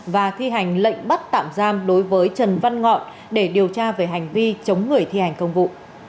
và thi hành lệnh bắt tạm giam đối với trần văn ngọn để điều tra về hành vi chống người thi hành công vụ